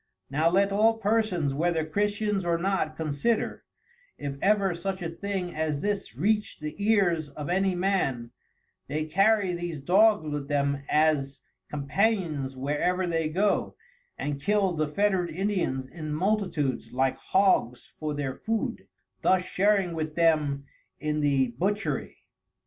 Now let all persons whether Christians or not consider, if ever such a thing as this reacht the ears of any Man, they carry these Dogs with them as Companions where ever they go, and kill the fettered Indians in multitudes like Hogs for their Food; thus sharing with them in the Butchery.